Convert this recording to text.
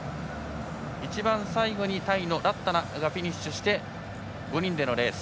一番最後にタイのラッタナがフィニッシュして５人でのレース。